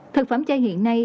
thực phẩm chay hiện nay